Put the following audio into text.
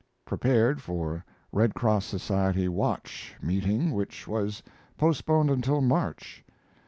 [Prepared for Red Cross Society watch meeting, which was postponed until March.